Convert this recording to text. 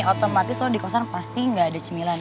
otomatis kalau di kosan pasti nggak ada cemilan